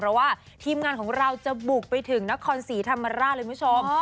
เพราะว่าทีมงานของเราจะบุกไปถึงนครศรีธรรมราชเลยคุณผู้ชม